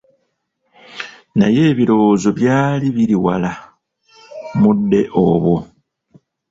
Naye ebirowoozo byali biri wala mudde obwo.